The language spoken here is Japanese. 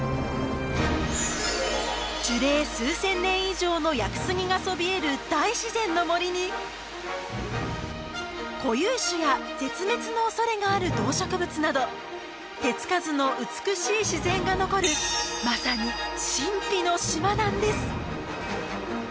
樹齢数千年以上の屋久杉がそびえる大自然の森に固有種や絶滅の恐れがある動植物など手つかずの美しい自然が残るまさに神秘の島なんです